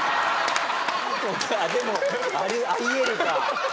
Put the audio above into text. でもあり得るか。